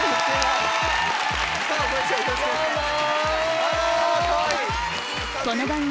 どうも。